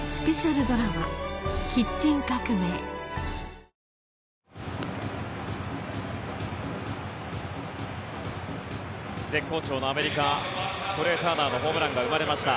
レフト、下がりながら絶好調のアメリカトレー・ターナーのホームランが生まれました。